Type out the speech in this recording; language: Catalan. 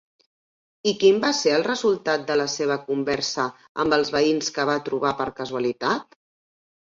¿I quin va ser el resultat de la seva conversa amb els veïns que va trobar per casualitat?